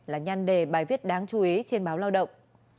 là nhan đề bài viết đáng chú ý trên báo lao động